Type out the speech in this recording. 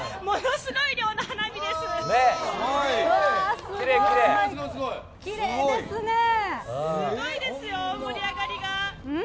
すごいですよ、盛り上がりが！